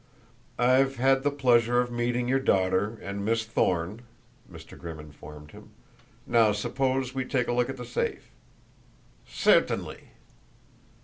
"I've had the pleasure of meeting your daughter and Miss Thorne," Mr. Grimm informed him. "Now, suppose we take a look at the safe?" "Certainly."